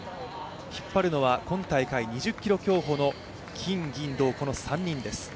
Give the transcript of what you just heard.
引っ張るのは今大会２０ｋｍ競歩の金、銀、銅、この３人です。